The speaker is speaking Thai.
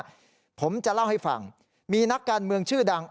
ผมจะเล่าให้ฟังมีนักการเมืองชื่อดัง